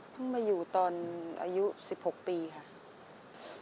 มาอยู่ตอนอายุ๑๖ปีค่ะ